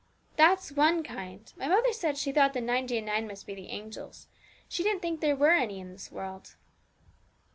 That's one kind; my mother said she thought the ninety and nine must be the angels; she didn't think there were any in this world.'